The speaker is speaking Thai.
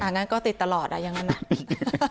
อ่างั้นก็ติดตลอดอ่ะยังงั้น